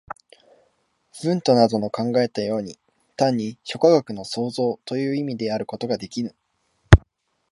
ヴントなどの考えたように、単に諸科学の綜合という意味であることができぬ。